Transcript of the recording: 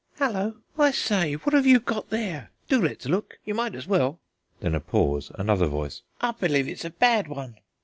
"Hullo, I say, what have you got there? Do let's look; you might as well." Then a pause another voice: "I believe it's a bad one."